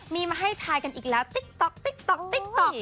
มีมาให้ทายกันอีกแล้วติ๊กต๊อกติ๊กต๊อกติ๊กต๊อก